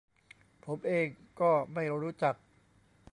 ผมเองก็ไม่รู้จัก